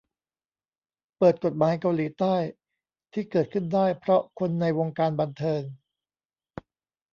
เปิดกฎหมายเกาหลีใต้ ที่เกิดขึ้นได้เพราะคนในวงการบันเทิง